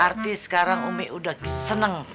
artis sekarang umi udah seneng